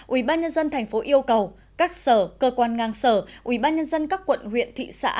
ủy ban nhân dân tp yêu cầu các sở cơ quan ngang sở ủy ban nhân dân các quận huyện thị xã